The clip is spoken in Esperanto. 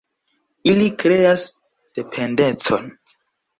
Ili kreas dependecon.